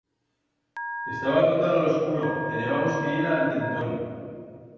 Estaba tot a l'escuro, tenebamos que ir a'l tentón.